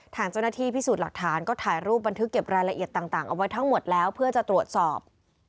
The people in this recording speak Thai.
ทางเจ้าหน้าที่พิสูจน์หลักฐานก็ถ่ายรูปบันทึกเก็บรายละเอียดต่างเอาไว้ทั้งหมดแล้วเพื่อจะตรวจสอบ